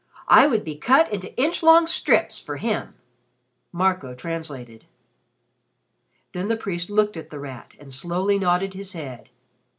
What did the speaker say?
"I would be cut into inch long strips for him." Marco translated. Then the priest looked at The Rat and slowly nodded his head.